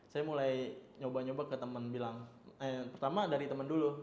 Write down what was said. saya mulai nyoba nyoba ke temen bilang pertama dari temen dulu